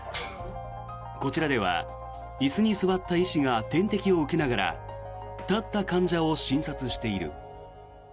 こちらでは椅子に座った医師が点滴を受けながら立った患者を診察している。